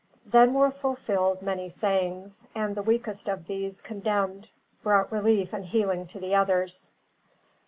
Then were fulfilled many sayings, and the weakest of these condemned brought relief and healing to the others.